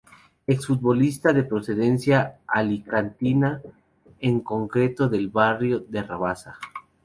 Exfutbolista de procedencia alicantina, en concreto del barrio de Rabasa.